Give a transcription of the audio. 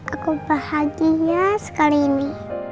aku bahagia sekali ini